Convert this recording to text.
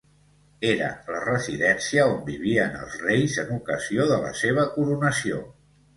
Era la residència on vivien els reis en ocasió de la seva coronació.